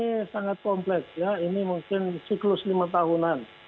ini sangat kompleks ya ini mungkin siklus lima tahunan